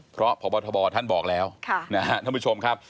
เพราะพธท่านบอกแล้วท่านผู้ชมครับ